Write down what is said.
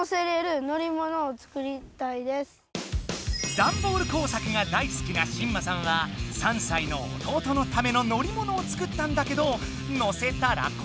ダンボール工作がだいすきなしんまさんは３さいの弟のための乗りものを作ったんだけど乗せたらこわれちゃった。